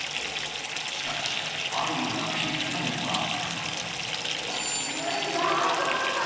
しかしありのがぴったりマーク。